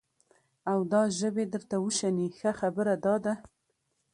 او دا ژبې درته وشني، ښه خبره دا ده،